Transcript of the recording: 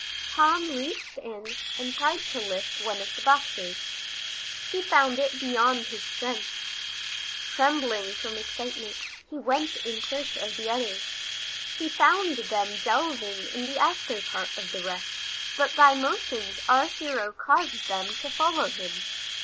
Tom reached in and tried to lift one of the boxes. He found it beyond his strength. Trembling from excitement, he went in search of the others. He found them delving in the after part of the wreck, but by motions our hero caused them to follow him.